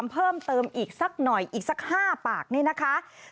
เพิ่มเติมอีกสักหน่อยอีกสัก๕ปากนี่นะคะ